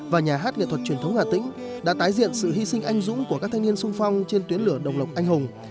và nhà hát nghệ thuật truyền thống hà tĩnh đã tái diện sự hy sinh anh dũng của các thanh niên sung phong trên tuyến lửa đồng lộc anh hùng